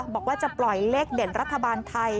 บอกว่าจะปล่อยเลขเด่นรัฐบาลไทย